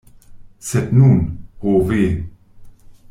Sed nun, ho ve!